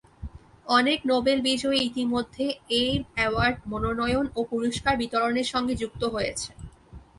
অনেক নোবেল বিজয়ী ইতিমধ্যে এ অ্যাওয়ার্ড মনোনয়ন ও পুরস্কার বিতরণের সঙ্গে যুক্ত হয়েছেন।